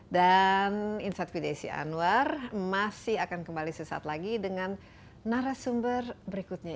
dan insight fidesi anwar masih akan kembali sesat lagi dengan narasumber berikutnya